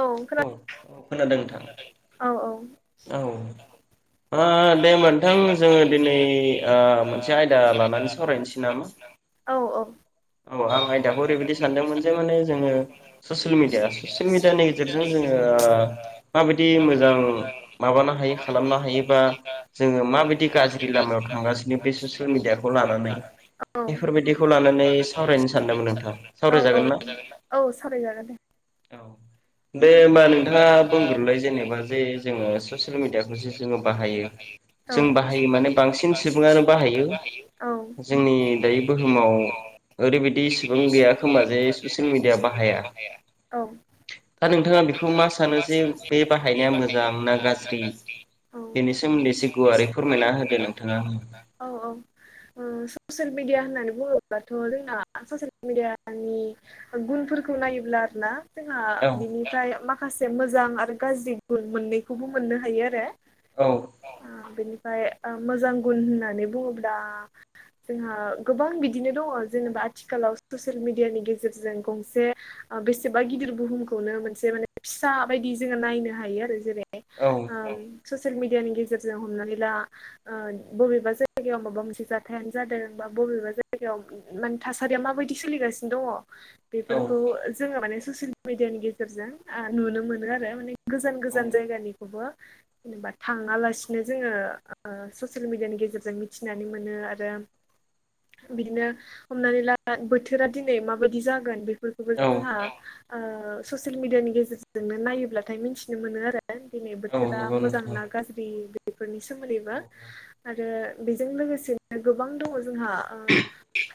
औ खोना औ खोनादों नोंथां औ -औ। औ। ओ दे होनबा नोंथां जोङो दिनै मोनसे आयदा लानानै सावरायनोसै नामा? औ -औ। औ आं आयदाखौ ओरैबायदि सानदोंमोन जे माने जोङो ससियेल मिडिया ससियेल मिडियानि गेजेरजों जोङो ओ माबायदि मोजां माबानो हायो खालामनो हायो बा जोङो माबायदि गाज्रि लामायाव थांगासिनो बे ससियेल मिडियाखौ लानानै बेफोरबायदिखौ लानानै सावरायनो सानदोंमोन नोंथां औ- सावरायजागोन ना? औ -औ सावराय जागोन दे। औ दे होमबा नोंथाङा बुंग्रोनलाय जेनेबा जे जोङो ससियेल मिेडियाखौसो जोङो बाहायो। औ जों बाहायो माने बांसिन सुबुङानो बाहायो औ जोंनि दायो बुहुमाव ओरैबायदि इसिबां गैया खोमा जे ससियेल मिडिया बाहाया। औ दा नोंथाङा बेखौ मा सानो जे बे बाहायनाया मोजां ना गाज्रि? औ बेनि सोमोनै गुवारै फोरमायना होदो नोंथाङा औ -औ ओ ससेल मिदिया होननानै बुङो बाथ' जोंना ससियेल मिडियानि गुनफोरखौ नायोब्ला आरो ना? जोंहा औ बिनिफ्राय माखासे मोजां आरो गाज्रि गुन मोननैखौबो मोननो हायो आरो। औ। बेनिफ्राय मोजां गुन होननानै बुङोब्ला जोंहा गोबां बिदिनो दङ। जेनेबा आथिखालाव ससिल मिडियानि गेजेरजों गंसे बेसेबा गिदिर बुहुमखौनो मोनसे माने फिसा बायदि जोङो नायनो हायो आरो औ जेरैहाय ससियेल मिडियानि गेजेरजों हमनानै ला बबेबा जायगायाव माबा मोनसे जाथायानो जादोंबा बबेबा जायगायाव माने थासारिया माबायदि सोलिगासिनो दङ। औ बेफोरखौ जोङो माने ससियेल मिडियानि गेजेरजों ओ नुनो मोनो आरो माने गोजान गोजान जायगानिखौबो जेनेबा थाङालासिनो जोङो ससियेल मिडियानि गेजेरजों मिथिनानै मोनो आरो बिदिनो हमनानै ला बोथोरा दिनै माबायदि जागोन बे -फोर फोरखौबो औ जोंहा ससियेल मिडियानि गेजेरजोंनो नायोब्लाथाय मिथिनो मोनो आरो। दिनै औ बोथोरा नंगौ मोजां नोंथां औ ना गाज्रि बेफोरनि सोमोन्दैबो आरो बेजों लोगोसेनो गोबां दङ जोंहा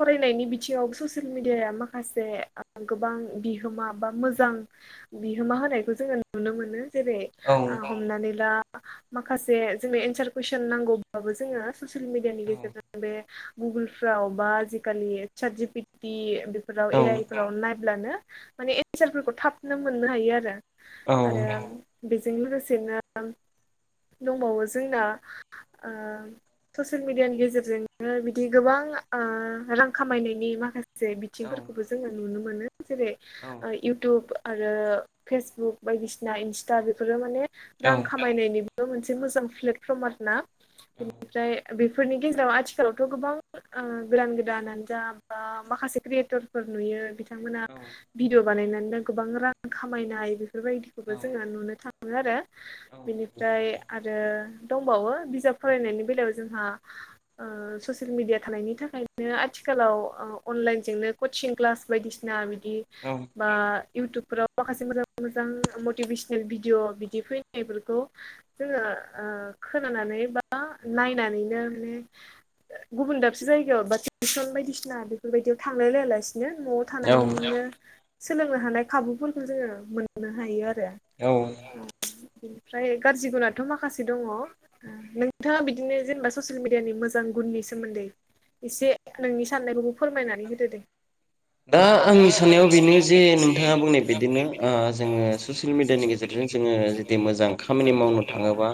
फरायनायनि बिथिङाव ससियेल मिडियाया माखासे गोबां बिहोमा बा मोजां बिहोमा होनायखौ जोङो नुनो मोनो जेरै औ हमनानै ला माखासे जोंनो एन्सार कुइसन नांगौबाबो जोङो ससियेल मिडियानि औ गेजेरजों बे गुगोलफ्राव बा आजिखालि साज पिटि बेफोराव औ ए आइ फोराव नायब्लानो माने एन्सारफोरखौ थाबनो मोननो हायो आरो आरो औ बेजों लोगोसेनो दंबावो जोंना ससियेल मेडियानि गेजेरजोंनो बिदि गोबां रां खामायनायनि माखासे जे बिथिंफोरखौबो जोङो नुनो मोनो जेरै इउटुब आरो फेसबुक बायदिसिना इन्स्टा बेफोरो माने रां खामायनायनि बे मोनसे मोजां प्लेटफर्म आरो ना बेनिफ्राय बे बेफोरनि गेजेराव आथिखालावथ' गोबां गोदान गोदान आनोजा बा माखासे क्रियेटरफोर नुयो बिथांमोना भिडिअ बानायनानैनो गोबां रां खामायनाय बेफोरबायदिखौबो जोङो नुनो थाङो मोन आरो बेनिफ्राय आरो दंबावो बिजाब फरायनायनि बेलायाव जोंहा ससियेल मिडिया थानायनि थाखायनो आथिखालाव आथिखालाव अनलाइनजोंनो कचिं क्लास बायदिसिना बिदि बा इउटुबफोराव माखासे मोजां मोजां मटिभेसनेल भिडिअ बिदि फैनायफोरखौ जोङो खोनानानै बा नायनानैनो माने गुबुन दाबसे जायगायाव बा टेसन बायदिसिना बेफोरबायदियाव थांलाय लायालासिनो बिनो न'आव थानायनो सोलोंनो हानाय खाबुफोरखौ जोङो मोननो हायो आरो औ [unintelligible] बिनिफ्राय गाज्रि गुनाथ' माखासे दङ नोंथाङा बिदिनो जेनेबा ससियेल मिडियानि मोजां गुननि सोमोन्दै एसे नोंनि साननायबायदि फोरमायनानै होदो दे दा आंनि साननायाव बेनो जे नोंथाङा बुंनाय बादिनो जोङो ससियेल मिडियानि गेजेरजों जोङो जुदि मोजां खामानि मावनो थाङोबा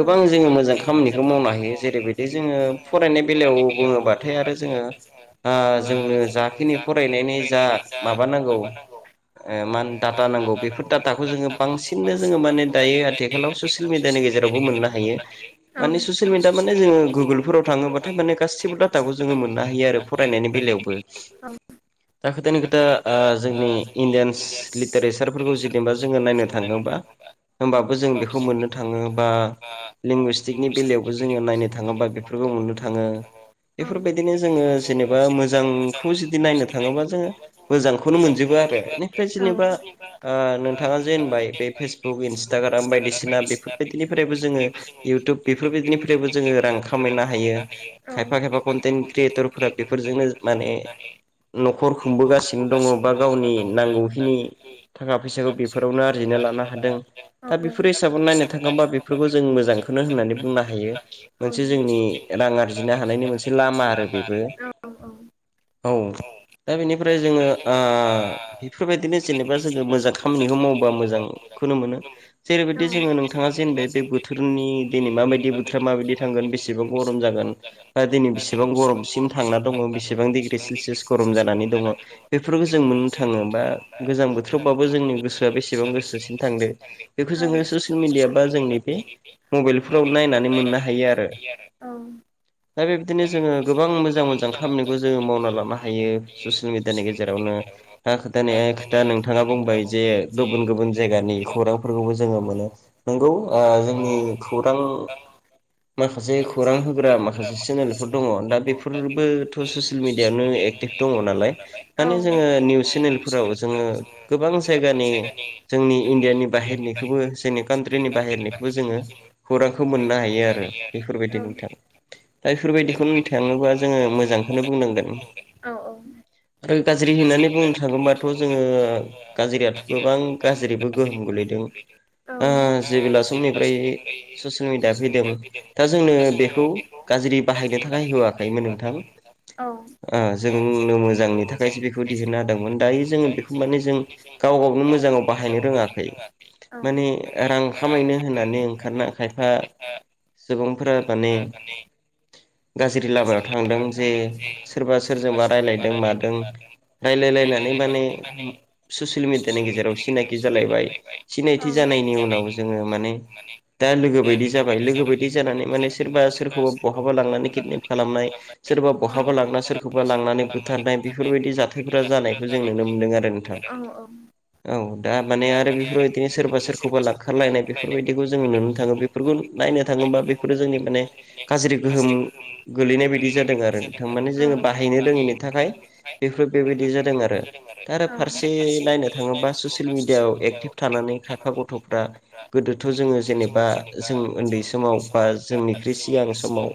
गोबां जोङो मोजां खामानिखौ मावनो हायो जेरैबायदि जोङो फरायनाय बेलायाव बुङोबाथाय आरो जोङो जोंनो जाखिनि फरायनायनि जा माबा नांगौ मा डाटा नांगौ बेफोर डाटाखौ जोङो बांसिननो जोङो माने दायो आथिखालाव ससियेल मिडियानि गेजेराव मोननो हायो माने ससियेल मिडियाआव माने जोङो गुगोलफोराव थांङोबाथाय माने गासैबो दाथा फोरखौ मोननो मोननो हायो आरो फरायनायनि बेलायावबो दा खोथानि खोथा ओ जोंनि इन्डियान लिटारेसारफोरखौ जेननोबा जोङो नायनो थाङोबा होमबाबो जों बेखौ मोननो थाङो बा लेंगुस्टिकनि बेलायावबो जोङो नायनो थाङोबा बेफोरखौ नुनो थाङो बेफोरबायदिनो जोङो जेनेबा मोजांखौ जुदि नायनो थाङोबा जोङो मोजांखौनो मोनजोबो आरो जेनेबा ओ नोंथाङा जेनबाय बे फेसबुक इन्सटाग्राम बायदिसिना बेफोरबायदिनिफ्राय फ्रायबो जोङो इउटुब बेफोरबायदिनिफ्रायबो जोङो रां खामायनो हायो खायफा खायफा कन्टेन्ट क्रियेटर फोर बेफोरजोंनो माने न'खर खुंबोगासिनो दङ बा गावनि नांगौ नांगौनि थाखा फैसाखौ बेफोरावनो आरजिना लानो हादों दा बेफोर हिसाबखौ नायनो जों मोजां होननानै बुंनो हायो मोनसे जोंनि रां आरजिनो हानायनि मोनसे लामा औ औ औ दा बेनिफ्राय जोङो ओ बेफोरबायदि नो जेनेबा जो मोजां खामानिखौ मावोबा मोजांखौनो मोनो जेरैबायदि जोङो नोंथाङा जेनेबा बे बोथोरनि दिनै माबायदि बोथोरा माबायदि थांगोन बेसेबां गरम जागोन बा दिनै बेसेबां गरम सिम थांना दङ बेसेबां छेलसियास डिग्री जाना दं बेफोरखौ जों मोन्नो थाङो गोजां बोथोरावबो जोंनि गोसो बेसेबां गोसोसिन थांदों बेखौ जोङो ससियेल मिदिया बा जों जोंनि बे मबाइलफोराव नायनानै मोननो हायो आरो दा बेबादिनो जोङो गोबां मोजां मोजां खामानिखौ जोङो मावना लानो हायो ससियेल मिडियानि गेजेरावनो [unintelligible] अनेक खोथा नोंथाङा बुंबाय जे गुबुन गुबुन जायगानि खौरांफोरखौबो जोङो मोनो नोंगौ ओ जोंनि खौरां [unintelligible] माखासे खौरां होग्रा माखासे चेनेलफोर दंङ दा बेफोरबोथ ससेल मिडियाआवनो एख। तेख दंङ नालाय औ माने जोंङो निउस फो। फोराव जोंङो गोबां जायगानि जोंनि इण्डियानि बाहेरनिखौबो जोंनि कान्र्टिनि बाहे। बाहेरनिखौ जोंङो खौरांखौ मोननो हायो आरो औ बेफोरबायदि नोंथां। दा एफोरबायदिखौन होनथांङोबा जोंङो मोजांखोनो बुंनांगोन। आरो गाज्रि होननानै बुंनो थां। थाङोबाथ जोंङो गाजिरियाथ गोबां गाजिरिबो गोहोम गोलैदों ओ। जेबोला सिमनिफ्राय ससिल मिडिया फैदों दा जोंनो बेखौ गाज्रि बाहायदों। थाखाय होआखैमोन नोंथां औ ओ जोंनो मोजांनि थाखायसो बेखौ दिहुनना होदोंमोन। दायो जोंङो बेखौ माने जों गाव गावनो मोजाङाव बाहायनो रोङाखै माने रां। रां खामायनो होननानै खायनो ओंखारना खायफा होननानै [unintelligible] सुबुंफोरा माने गाजिरि लामायाव थांदों जे सोरबा सोरजों। बा रायलायदों मादों लेराय नानै माने ससेल मिडियानि गेजेराव सिनायखि जालायबाय सिनायथि जानायनि उन। नाव जोंङो माने। दा लोगो बोयदि जाबाय लोगो बोयदि जानानै माने सोरबा सोरखौ बहाबा लांनानै किदनेप खालामनाय सोर। सोरबा बहाबा लांना सोरखौबा लांनानै बुथारनाय बेफोरबायदि जाथायफोरा जानाय। यखौ जों नुनो मोनदों आरो नोंथां। औ दा माने आरो बेफोरबायदिनो सोरबा सोरखौबा लाखारलायनाय बेफोरबायदिखौ जोंङो नुनो थांङो बेफोरनि नायनो थांङोबा बेफोरो जोंनि माने गाज्रि गोहोम गोलैनाय बायदि जादों आरो नोंथां माने जोंङो। बाहायनो रोङिनि थाखाय बेफोर बेबायदि जादों आ। आरो दा आरो फारसेयै नायनो थाङोबा ससेल मिडियाआव एक्टिभ थानानै खायफा गथ'फ्रा। गोदोथ' जोंङो जेनेबा जों ओन्दै समाव बा जोंनिख्रुइ सिगां समाव।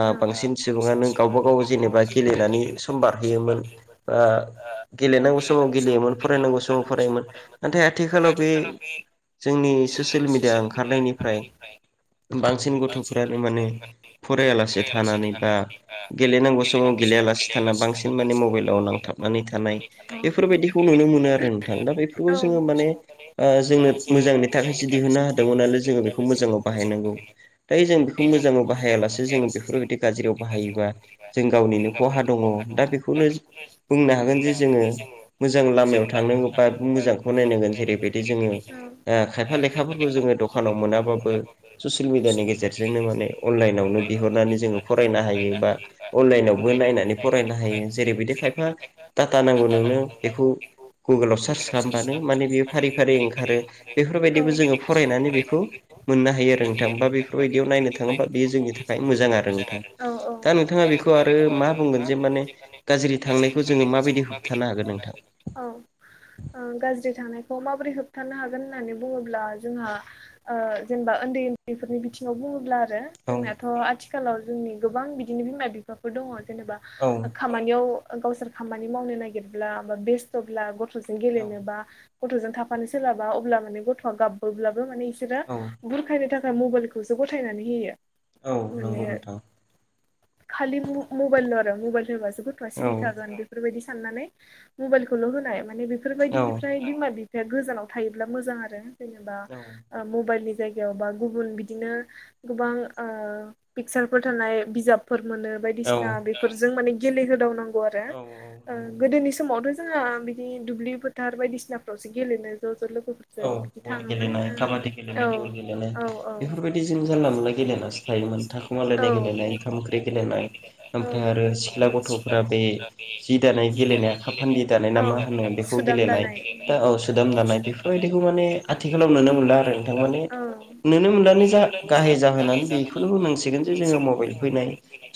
आं बांसिन सुबुंङानो गावबा गाव जेनेबा गेलेनानै सम बारहोयोमोन बा। गेलेनांगौ समाव गेलेयोमोन फरायनांगौ समाव फरायोमोन नाथाय आथिखालाव बे। जोंनि ससिल मिडिया ओंखारनायनिफ्राय। बांसिन गथ'फोरानो माने फरायालासे थानानै बा गेलेनांगौ समाव। गेलेयालासि थाना बांसिन माने मबाइलाव नांथाब। नानै थानाय बेफोरबायदिखौ नुनो मोनो आरो नोंथां दा बेफोरखौ औ औ जोंङो माने आ जोंनो मोजांनि थाखायसो दिहुनना होदोंमोन नालाय जोंङो बेखौ मोजाङाव बाहायनांगौ। दायो जों बिखौ मोजाङाव बाहायालासे जों बेफोरबायदि गाज्रियाव बाहायोबा जों गावनिनो। खहा दंङ दा बेखौनो जो बुंनो हागोन जि जोंङो मोजां लामायाव थांनांगौ बा मोजांखौ नायनांगोन जेरैबायदि जोंङो ओ खायफा लेखाफोरखौ जोंङो दखानाव मोनाबाबो ससिल मिडियानि गेजेरजोंनो माने अनलाइनाव नो बिहरनानै जोंङो फरायनो हायो बा अनलाइनावबो नायनानै फरायनो हायो जेरैबायदि खायफा टाटा नांगौ नोंनो एखौ गुगोलाव सार्च खामबानो माने बियो फारि फारि ओंखारो बेफोरबायदिबो जोंङो फरायनानै बिखौ मोननो हायो आरो नोंथां बा बेफोरबायदियाव नायनो थाङोबा बियो जोंनि थाखाय मोजां आरो नोंथां। औ दा औ नोंथाङा बिखौ आरो मा बुंगोन जे माने गाज्रि थांनाय [inaudible] औ ओ गाज्रिथांनाय खौ माबोरै होबथानो हागोन होननानै बुंङोब्ला जोंहा औ जेनेबा ओन्दै ओन्दैफोरनि बिथिङाव बुंङोब्ला ब्ला औ जोंनिनाथ आथिखालाव जोंनि गोबां बिदिनो बिमा बिफाफोर दंङ। जेनेबा औ ओ खामानियाव ओ गावसोर खामानि मावनो नागिरब्ला बा बेस्थ'ब्ला गथ'। गथ' जों गेलेनोबा गथ'जों थाफानो सोलाबा अब्ला माने गथ'आ गाबबोब्लाबो माने एसे औ बिसोरो बुरखायनो थाखाय मबाइलखौसो गथायनानै होयो औ नोंगौ माने नोंथां। खालि म मबाइल आरो मबाइल होबासो गथ'आ औ सिरि थागोन बे बेबायदि साननानै मबाइलखौल होनाय माने बिफोर औ बायदिनिफ्राय बिमा बि बिफाया गोजानाव थायोब्ला मोजां आरो जेनेबा औ ओ मबाइलनि जायगायाव बा गुबुन बिदिनो गोबां ओ पिकचारफोर थानाय बिजाब फोर मोनो औ बायदिसिना बेफोरजों माने गेलेहोदावनांगौ आरो औ नंगौ नोंथां गोदोनि समावथ' जोंहा बिदि दुब्लि फोथार बायदिसिनाफ्रावसो गेलेनो ज' ज' लोगो' औ बल गेलेनाय काबादि गेलेनाय बल गेलेनाय औ बेफोरबायदि जों जानला मोनला गेलेलासो थायोमोन औ थाखुमालायनाय गेलेनाय ओंखाम ओंख्रि गेलेनाय ओमफ्राय औ आरो सिख्ला गथ'फोरा बे जि दानाय गेलेनाय आ खाखा फान्दि दानाय ना मा होनो बेखौ गेलेनाय दा औ गेलेनाय सोदाम दानाय बेफोर बेबायदिखौ माने आथिखालाव नुनो मोनला आरो नोंथां माने नुनो मोनलानो जा गाहे जाहोनानै बे बेखौनो बुंनांसिगोन जे जोङो मबाइल फैनाय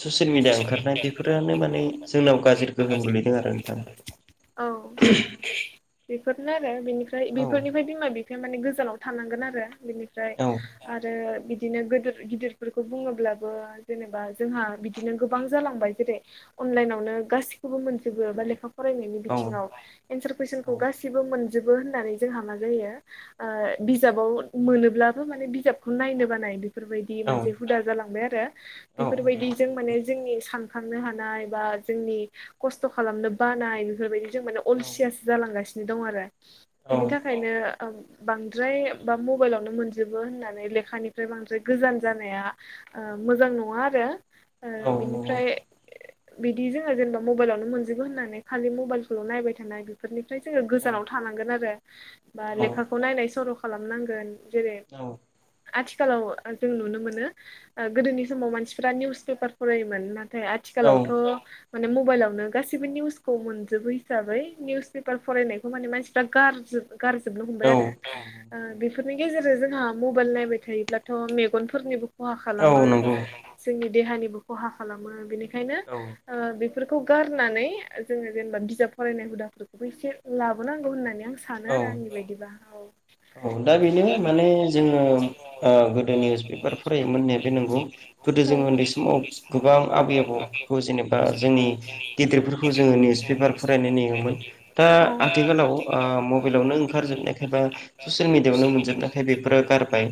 ससियेल मिडिया ओंखारनाय बेफोरानो माने जोंनाव गाज्रि [unintelligible] गोहोम गोलैदों आरो नोंथां औ बेफोरनो आरो बेनिफ्राय औ बेफोरनिफ्राय बिमा बिफाया माने गोजानाव थांगोन आरो बेनिफ्राय आरो बि बिदिनो गोदोर गिदिरफोरखौ बुङोब्लाबो जेनेबा जोंहा बिदिनो गोबां जालांबाय जेरै अनलाइनावनो गासिखौबो मोनजोबो बा लेखा फरायनायनि औ बिथिङाव एन्सार कुइसनखौ औ गासिबो मोन जोबो होननानै जोंहा मा जायो ओ बिजाबाव मोनोब्लाबो माने बिजाबखौ नायनो बानाय बेफोरबायदि औ मोनसे हुदा जालांबाय आरो औ बेफोरबायदिजों माने जोंनि सान ननो हानाय बा जोंनि खस्थ' खालामनो बानाय बेफोरबायदि जों माने औ अलसियासो जालांगासिनो दं आरो बिनि औ थाखायनो बांद्राय बा मबाइलावनो मोनजोबो होननानै लेखानिफ्राय बांद्राय गोजान जानाया ओ मोजां नङा आरो ओ औ नंगौ बिनिफ्राय बिदि जोङो जेनेबा मबाइलावनो मोनजोबो होननानै खालि मबाइलखौल' नायबाय थानाय बेफोरनिफ्राय जोङो औ गोजानाव थानांगोन आरो। बा औ लेखाखौ नायनाय सर' खालामनांगोन जेरै आथिखालाव जों नुनो मोनो ओ गोदोनि समाव मानसिफ्रा निउस पेपार फरायोमोन ना थाय औ नंगौ आथिखालावथ' माने मबाइलावनो गासिबो निउसखौ मोनजोबो हिसाबै निउस पेपार फरायनायखौ माने मानसिफ्रा गारजोबो गारजोबनो हमबाय आरो ओ बि बे फोरनि गेजेर जोंहा मबाइल नायबाय थायोब्लाथ' मेगनफोरनिबो खहा औ खालामो। नंगौ जोंनि देहानिबो खहा खालामो बेनिखायनो ओ बे बेफोरखौ गारनानै जोङो जेनेबा बिजाब फरायनाय हुदाफोरखौबो एसे लाबोनांगौ होननानै आं सानो आरो औ औ आंनि बायदिबा औ। औ दा बेनो माने जोङो ओ गोदो निउस पेपार फरायोमोन होननाया बे नंगौ। गोदो जोंङो उन्दै समाव गोबां आबै आबौखौ जेनेबा जों नि गिदिरफोरखौ जोङो निउस पेपार फरायनाय नेङोमोन दा समाव आथिखालाव ओ मबेइल नो ओंखारजोबनायखायबा ससियेल मिडियायावनो मोनजोबनायखाय बेफोरो गारबाय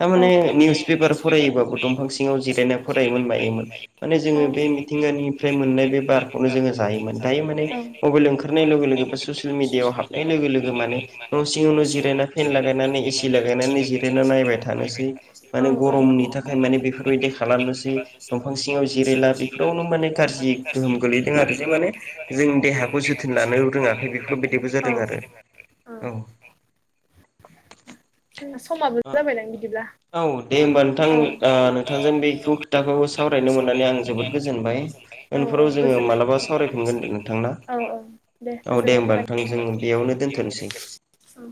थारमाने निउस पेपार फरायोबाबो दंफां सिङाव जिरायनाय फरायोमोन मायोमोन माने जोङो बे मिथिंगानिफ्राय मोननो नाय बे बारखौनो जोङो जायोमोन दायो माने मबेल ओंखारनाय लोगो लोगो बा ससियेल मेडियायाव हाबनाय लोगो लोगो माने न' सिङावनो जिरायना फेन लागायनानै एसि लागायनानै जिरायना नायबाय थानोसै माने गरमनि थाखाय माने बेफोरबायदि खालामनोसै दंफां सिङाव जिरायला बेफोरावनो माने गाज्रि गोहोम गोलैदों आरो जे माने जोंनि देहाखौ जोथोन लानो रोङाखै बेफोरबायदिबो जादों आरो। औ। जादों। जोंना समाबो जाबायदां बिदिब्ला। औ दे होमबा नोंथां नोंथांजों बेखौ खोथाखौ सावरायनो मोननानै आं जोबोद गोजोनबाय। औ औ फोराव जोङो मालाबा गोजोननाय सावरायफिनगोन दे नोंथां ना औ औ औ दे गोजोननाय होमबा थाबाय नोंथां जों नोंथांनिसिम। बेयावनो दोनथ'नो सै। औ